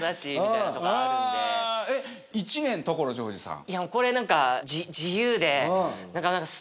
１年所ジョージさん。